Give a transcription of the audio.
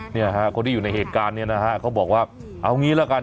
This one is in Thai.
เนี่ยฮะคนที่อยู่ในเหตุการณ์เนี่ยนะฮะเขาบอกว่าเอางี้ละกัน